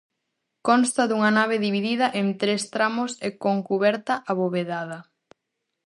Consta dunha nave dividida en tres tramos e con cuberta abovedada.